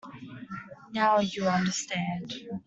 Now, you understand.